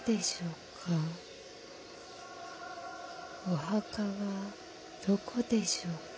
・お墓はどこでしょうか。